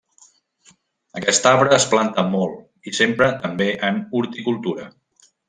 Aquest arbre es planta molt, i s'empra també en horticultura.